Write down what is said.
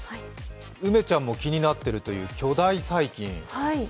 梅ちゃんも気になっているという巨大細菌。